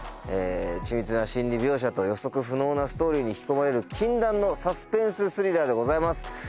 緻密な心理描写と予測不能なストーリーに引き込まれる禁断のサスペンススリラーでございます。